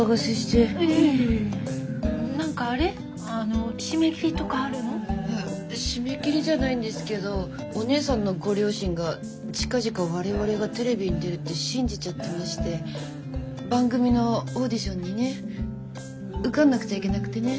いや締め切りじゃないんですけどお姉さんのご両親が近々我々がテレビに出るって信じちゃってまして番組のオーディションにね受かんなくちゃいけなくてね？